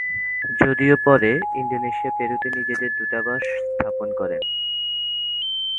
যদিও পরে, ইন্দোনেশিয়া পেরুতে নিজেদের দূতাবাস স্থাপন করে।